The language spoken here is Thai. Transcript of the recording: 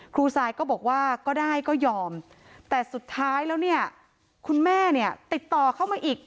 ทรายก็บอกว่าก็ได้ก็ยอมแต่สุดท้ายแล้วเนี่ยคุณแม่เนี่ยติดต่อเข้ามาอีก